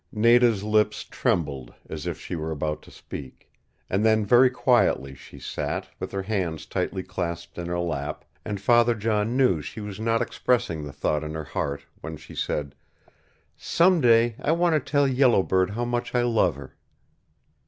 Nada's lips trembled, as if she were about to speak; and then very quietly she sat, with her hands tightly clasped in her lap, and Father John knew she was not expressing the thought in her heart when she said, "Someday I want to tell Yellow Bird how much I love her."